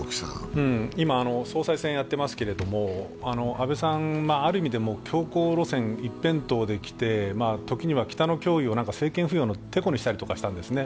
今、総裁選をやってますけれども安倍さん、ある意味、強行路線一辺倒できて時には北の脅威威を政権浮揚のてこにしたりしたんですね。